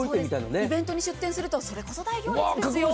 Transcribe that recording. イベントに出店すると、それこそ大行列ですよ。